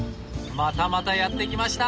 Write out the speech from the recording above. またまたやって来ました！